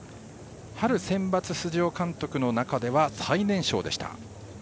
春センバツ出場監督の中では最年少でした。